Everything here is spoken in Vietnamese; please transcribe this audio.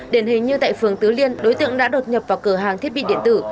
đền hình như tại phường tứ liên đối tượng đã đột nhập vào cửa hàng thiết bị điện tử